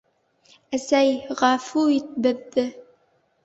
— Әсәй, ғәфү ит беҙҙе!..